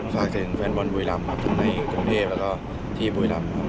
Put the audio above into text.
ฝากถึงแฟนบอลบุรีรัมครับทั้งในกรมเทพฯและก็ที่บุรีรัมครับ